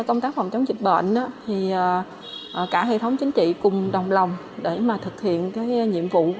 công tác phòng chống dịch bệnh thì cả hệ thống chính trị cùng đồng lòng để mà thực hiện cái nhiệm vụ